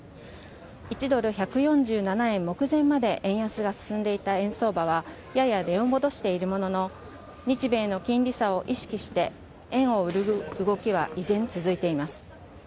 １ドル１４７円目前まで円安が進んでいた円相場はやや値を戻しているものの日米の金利差を意識して円を売る動きが依然、続いています。